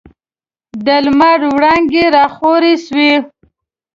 د لمر وړانګي راخورې سوې.